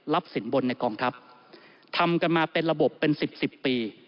รับสินบนในกองทับทำกันมาเป็นระบบเป็น๑๐ปี